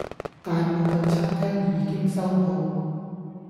大部份餐廳已經收舖